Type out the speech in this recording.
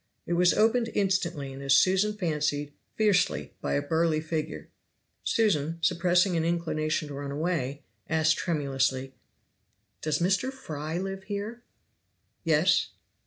It was opened instantly, and as Susan fancied, fiercely, by a burly figure. Susan, suppressing an inclination to run away, asked tremulously: "Does Mr. Fry live here?" "Yes."